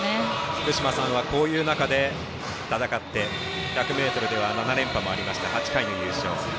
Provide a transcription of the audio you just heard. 福島さんはこういう中で戦って１００ｍでは７連覇もありまして８回の優勝。